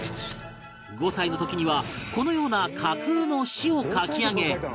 ５歳の時にはこのような架空の市を描き上げ